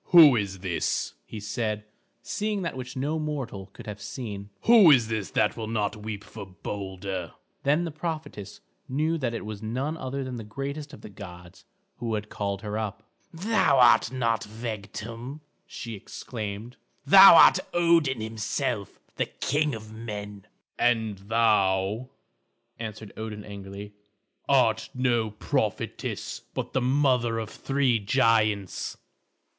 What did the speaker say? "Who is this," he said, seeing that which no mortal could have seen; "who is this that will not weep for Balder?" Then the prophetess knew that it was none other than the greatest of the gods who had called her up. "Thou art not Vegtam," she exclaimed, "thou art Odin himself, the king of men." "And thou," answered Odin angrily, "art no prophetess, but the mother of three giants."